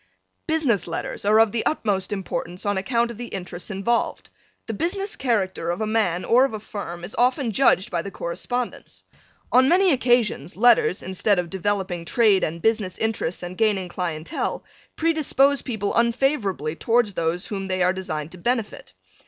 Business letters are of the utmost importance on account of the interests involved. The business character of a man or of a firm is often judged by the correspondence. On many occasions letters instead of developing trade and business interests and gaining clientele, predispose people unfavorably towards those whom they are designed to benefit.